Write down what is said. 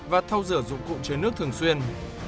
và thâu rửa dụng cụ chứa nước thường xuyên